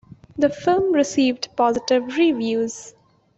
The film received positive reviews.